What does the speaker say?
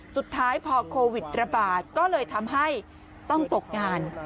สุดท้ายพอโควิดระบาดก็เลยทำให้ต้องตกงาน